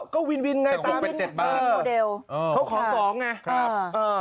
ก็วินไงตามโดเดลเพราะของ๒ไงครับแต่วิน๗บาท